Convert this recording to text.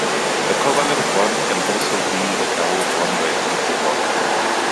A covalent bond can also be a double bond or a triple bond.